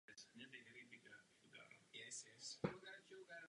V latině byl nazýván Pera.